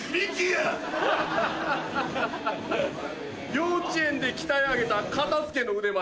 幼稚園で鍛え上げた片付けの腕前